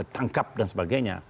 tangkap dan sebagainya